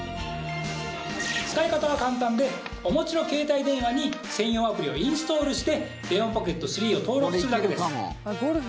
使い方は簡単でお持ちの携帯電話に専用アプリをインストールしてＲＥＯＮＰＯＣＫＥＴ３を登録するだけです。